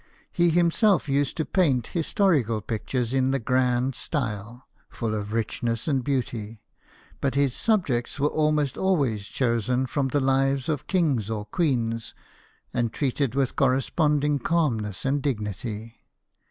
He himself used to paint historical pictures in the grand style, full of richness and beauty ; but his sub jects were almost always chosen from the lives of kings or queens, and treated with corre sponding calmness and dignity.